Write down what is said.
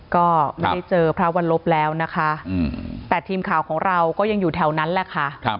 ก็ไม่ได้เจอพระวันลบแล้วนะคะแต่ทีมข่าวของเราก็ยังอยู่แถวนั้นแหละค่ะ